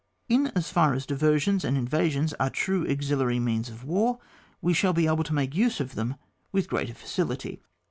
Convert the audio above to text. In as far as diversions and inva sions are true auxiliary means of war we shall be able to make use of them with greater facility.